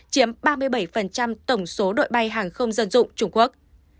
chiếm ba mươi bảy tổng số đội bay hàng không dân dụng trung quốc